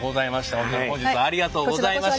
本当に本日はありがとうございました。